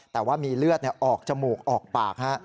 แต่ว่ามีเลือดออกจมูกออกปากฮะ